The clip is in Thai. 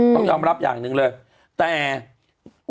ต้องก็รับอย่างหนึ่งเลย